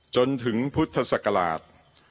จนถึงพุทธศักราช